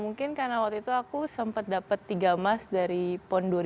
mungkin karena waktu itu aku sempat dapat tiga emas dari pon dua ribu enam belas